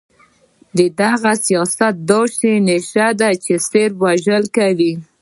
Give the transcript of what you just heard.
دغه سياست داسې نيشه ده چې صرف وژل کوي.